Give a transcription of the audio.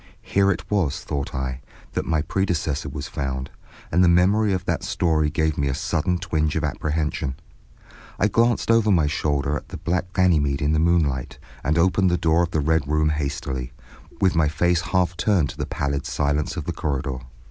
Here it was, thought I, that my predecessor was found, and the memory of that story gave me a sudden twinge of apprehension. I glanced over my shoulder at the black Ganymede in the moonlight, and opened the door of the Red Room rather hastily, with my face half turned to the pallid silence of the corridor.